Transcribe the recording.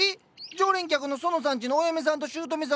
常連客の園さんちのお嫁さんとしゅうとめさんですよ。